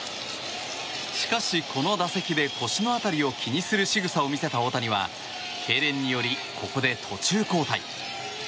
しかし、この打席で腰の辺りを気にするしぐさを見せた大谷はけいれんによりここで途中交代。